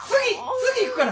次行くから！